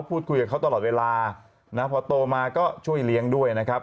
พูดคุยกับเขาตลอดเวลานะพอโตมาก็ช่วยเลี้ยงด้วยนะครับ